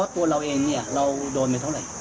ตัวเราเองเราโดนไปเท่าไร